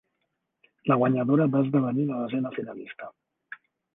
La guanyadora va esdevenir la desena finalista.